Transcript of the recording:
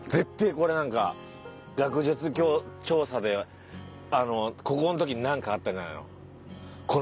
これなんか学術調査でここの時なんかあったんじゃないの？